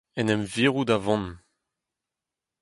en em virout a vont